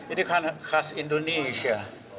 ini kan khas indonesia